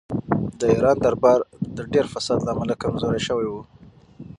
د ایران دربار د ډېر فساد له امله کمزوری شوی و.